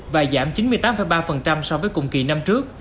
và giảm chín mươi tám ba so với cùng kỳ năm trước